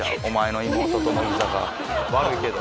悪いけど。